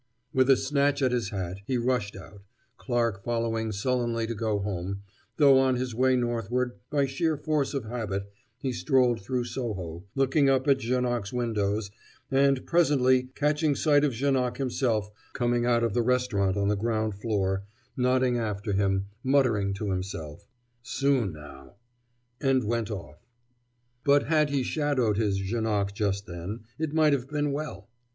With a snatch at his hat, he rushed out, Clarke following sullenly to go home, though on his way northward, by sheer force of habit, he strolled through Soho, looked up at Janoc's windows, and presently, catching sight of Janoc himself coming out of the restaurant on the ground floor, nodded after him, muttering to himself: "Soon now " and went off. But had he shadowed his Janoc just then, it might have been well!